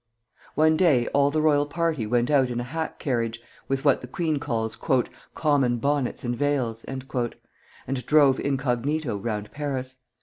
One day all the royal party went out in a hack carriage, with what the queen calls "common bonnets and veils," and drove incognito round Paris.